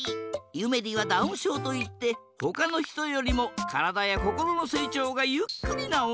ゆめりはダウンしょうといってほかのひとよりもからだやこころのせいちょうがゆっくりなおんなのこ。